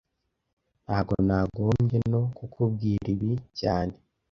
Ntago nagombye no kukubwira ibi cyane